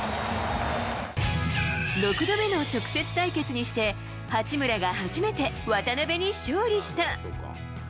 ６度目の直接対決にして、八村が初めて渡邊に勝利した。